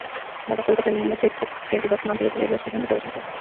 ঢাকা-কলকাতায় Maitree express ট্রেনটি দর্শনা আন্তর্জাতিক railway station হয়ে চলাচল করে।